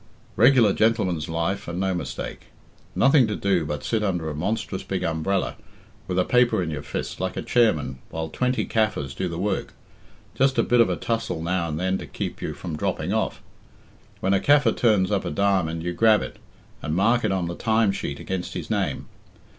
Regular gentleman's life and no mistake. Nothing to do but sit under a monstrous big umbrella, with a paper in your fist, like a chairman, while twenty Kaffirs do the work. Just a bit of a tussle now and then to keep you from dropping off. When a Kaffir turns up a diamond, you grab it, and mark it on the time sheet against his name.